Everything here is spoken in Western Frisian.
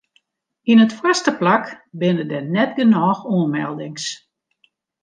Yn it foarste plak binne der net genôch oanmeldings.